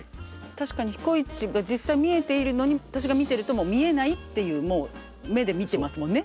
確かに彦市が実際見えているのに私が見てるともう見えないっていうもう目で見てますもんね。